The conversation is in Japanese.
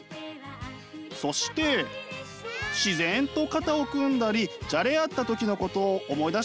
そして自然と肩を組んだりじゃれ合った時のことを思い出してください。